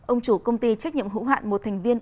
ông chủ công ty trách nhiệm hữu hạn một thành viên